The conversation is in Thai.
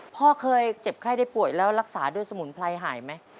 พ่อเคยเจ็บไข้ได้ป่วยแล้วรักษาด้วยสมุนไพรหายไหม